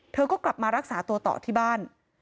เธอก็กลับมารักษาตัวต่อที่บ้าน